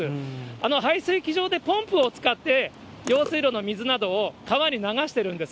あの排水機場でポンプを使って、用水路の水などを川に流しているんです。